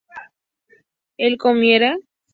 ¿él comiera?